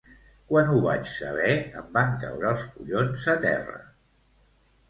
Quan ho vaig saber em van caure els collons a terra